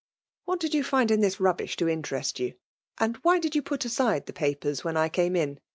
'' What did you find in this rubbish to interest you; and why did you put aside the papers when I came in?"